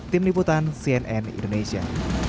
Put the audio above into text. tim liputan cnn indonesia